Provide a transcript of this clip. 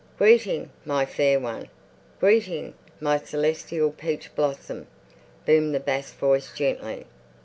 "Greeting, my Fair One! Greeting, my Celestial Peach Blossom!" boomed the bass voice gently.